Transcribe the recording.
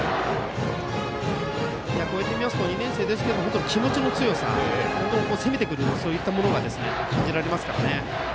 こうやって見ますと２年生ですけれど、気持ちの強さ攻めてくるというそういったものが感じられますね。